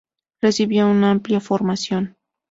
Recibió una amplia formación.